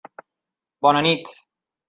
Bona nit.